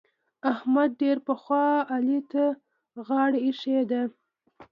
احمد ډېر پخوا علي ته غاړه اېښې ده.